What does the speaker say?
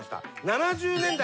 ７０年代。